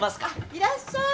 いらっしゃい！